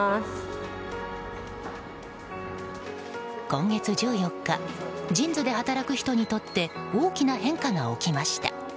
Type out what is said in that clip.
今月１４日ＪＩＮＳで働く人にとって大きな変化が起きました。